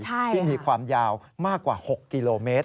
ที่มีความยาวมากกว่า๖กิโลเมตร